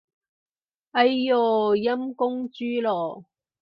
哎唷，陰公豬咯